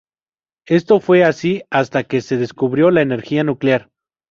Esto fue así hasta que se descubrió la energía nuclear.